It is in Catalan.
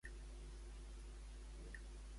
Què va fer-li Nireu?